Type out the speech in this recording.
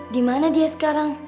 di mana dia sekarang